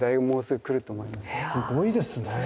すごいですね。